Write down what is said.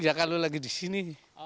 ya kalau lagi di sini